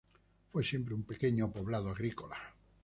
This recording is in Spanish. Fue siempre un pequeño poblado agrícola.